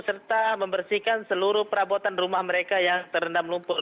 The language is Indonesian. serta membersihkan seluruh perabotan rumah mereka yang terendam lumpur